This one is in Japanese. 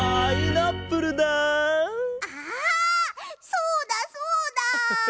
そうだそうだ！